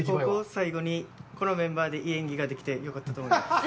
最後にこのメンバーでいい演技ができて、よかったと思います。